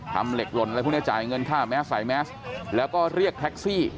ทำเหล็กหล่นอะไรพวกนี้จ่ายเงินค่าแมสใส่แมสแล้วก็เรียกแท็กซี่